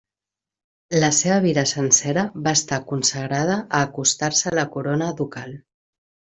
La seva vida sencera va estar consagrada a acostar-se a la corona ducal.